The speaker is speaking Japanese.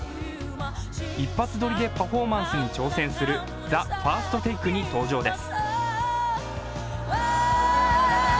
一発撮りでパフォーマンスに挑戦する「ＴＨＥＦＩＲＳＴＴＡＫＥ」に登場です。